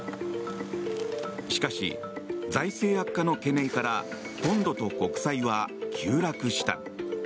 しかし、財政悪化の懸念からポンドと国債は急落した。